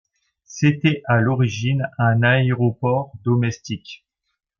C'était à l'origine un aéroport domestique.